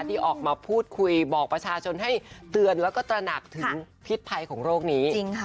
ที่ออกมาพูดคุยบอกประชาชนให้เตือนแล้วก็ตระหนักถึงพิษภัยของโรคนี้